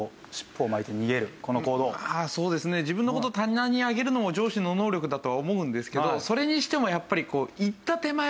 そうですね自分の事棚に上げるのも上司の能力だとは思うんですけどそれにしてもやっぱり。